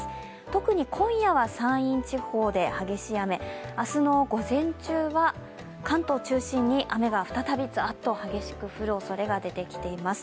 特に今夜は山陰地方で激しい雨、明日の午前中は関東中心に雨が再びザッと降るおそれが出てきています。